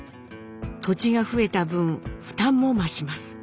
土地が増えた分負担も増します。